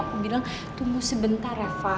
aku bilang tunggu sebentar reva